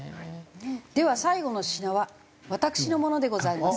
では最後の品は私のものでございます。